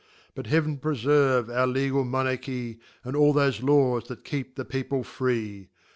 But Heaven preserve our Legal Monarchy, And all thofe Laws that hgep the .People free.